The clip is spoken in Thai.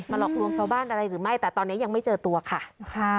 หลอกลวงชาวบ้านอะไรหรือไม่แต่ตอนนี้ยังไม่เจอตัวค่ะ